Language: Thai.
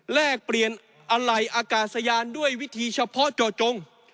แลกเปลี่ยนอะไหล่อากาศยานด้วยวิธีเฉพาะเจาะจง